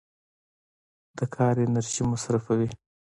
د کار انرژي مصرفوي.